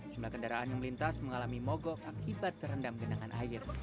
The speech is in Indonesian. jumlah kendaraan yang melintas mengalami mogok akibat terendam genangan air